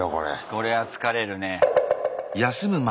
これは疲れるね。